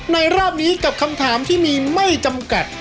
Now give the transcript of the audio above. รอบนี้กับคำถามที่มีไม่จำกัด